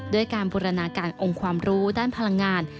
ด้วยการบูรณาการองค์ความรู้ด้านพลังงาน